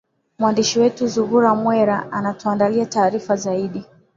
mwandishi wetu zuhra mwera ametuandalia taarifa zaidi